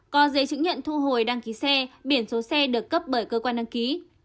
có giấy chứng nhận thu hồi đăng ký xe biển số xe được cấp bởi cơ quan đăng ký